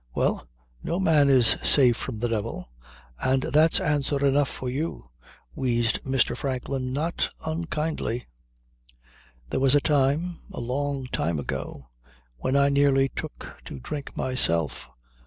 Well, no man is safe from the devil and that's answer enough for you," wheezed Mr. Franklin not unkindly. "There was a time, a long time ago, when I nearly took to drink myself.